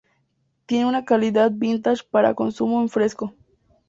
Tiene una calidad vintage para consumo en fresco.